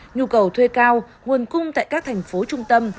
nhu cầu thuê cao nguồn cung tại các thành phố trung tâm